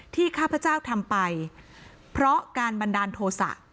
ข้าพเจ้าทำไปเพราะการบันดาลโทษะ